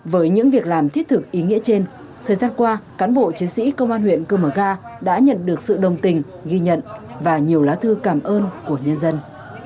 với những việc làm thiết thực ý nghĩa trên thời gian qua cán bộ chiến sĩ công an huyện cư mờ ga đã nhận được sự đồng tình ghi nhận và nhiều lá thư cảm ơn của nhân dân